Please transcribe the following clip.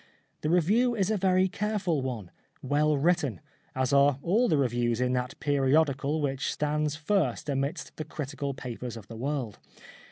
The review is a very careful one, well written, as are all the reviews in that periodical which stands first amidst the critical papers of the world.